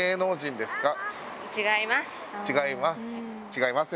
違います